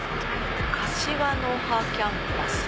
柏の葉キャンパス。